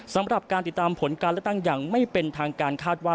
สำหรับการติดตามผลการเลือกตั้งอย่างไม่เป็นทางการคาดว่า